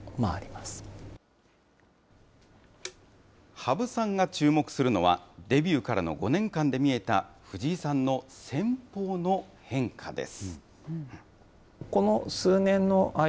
羽生さんが注目するのは、デビューからの５年間で見えた藤井さんの戦法の変化です。